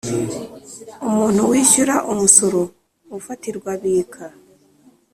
Umuntu wishyura umusoro ufatirwa abika